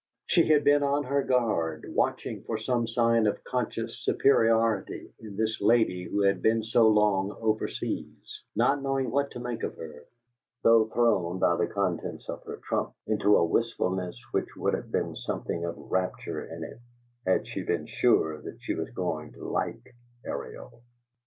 She had been on her guard, watching for some sign of conscious "superiority" in this lady who had been so long over seas, not knowing what to make of her; though thrown, by the contents of her trunks, into a wistfulness which would have had something of rapture in it had she been sure that she was going to like Ariel.